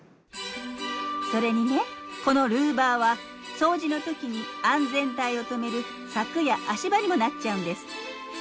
それにねこのルーバーは掃除の時に安全帯を留める柵や足場にもなっちゃうんです。